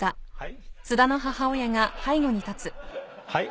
はい？